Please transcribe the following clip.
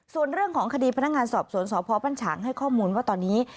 ส่วนเรื่องของคดีพนักงานสอบสวนสพบัญชางให้ข้อมูลว่าตอนนี้